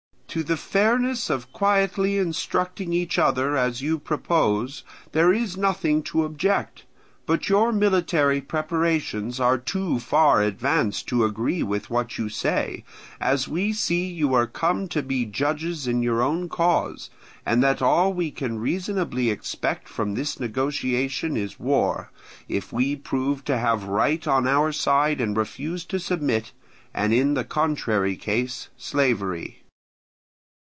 To the fairness of quietly instructing each other as you propose there is nothing to object; but your military preparations are too far advanced to agree with what you say, as we see you are come to be judges in your own cause, and that all we can reasonably expect from this negotiation is war, if we prove to have right on our side and refuse to submit, and in the contrary case, slavery.